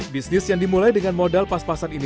bisnis yang dimulai dengan modal pas pasan ini